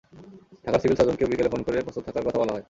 ঢাকার সিভিল সার্জনকেও বিকেলে ফোন করে প্রস্তুত থাকার কথা বলা হয়।